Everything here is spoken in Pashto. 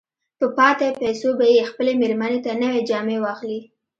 په پاتې پيسو به يې خپلې مېرمې ته نوې جامې واخلي.